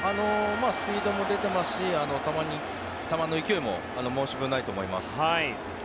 スピードも出てますし球の勢いも申し分ないと思います。